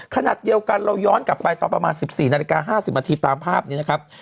ขณะเดียวกันเราย้อนกลับไปตอนประมาณ๑๔นาฬิกา๕๐นาทีตามภาพนี้นะครับ